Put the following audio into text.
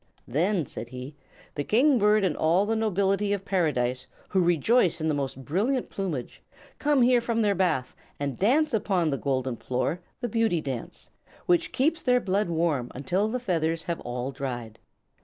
"Then," said he, "the King Bird and all the Nobility of Paradise, who rejoice in the most brilliant plumage, come here from their bath and dance upon the golden floor the Beauty Dance, which keeps their blood warm until the feathers have all dried.